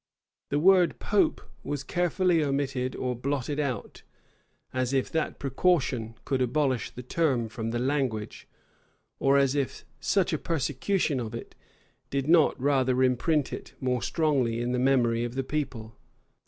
The word "pope" was carefully omitted or blotted out;[*] as if that precaution could abolish the term from the language, or as if such a persecution of it did not rather imprint it more strongly in the memory of the people.